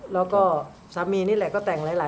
แล้วก็สามีนี่แหละก็แต่งหลาย